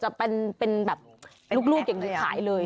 จะเป็นแบบลูกอย่างนี้ขายเลย